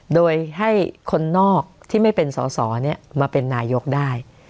โดยให้คนนอกที่ไม่เป็นสอสอมาเป็นนายกได้